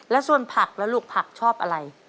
แล้วส่วนผักแล้วลูกผักชอบอะไร